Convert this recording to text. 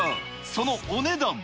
そのお値段。